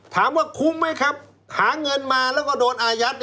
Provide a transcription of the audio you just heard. ถามว่าคุ้มไหมครับหาเงินมาแล้วก็โดนอายัด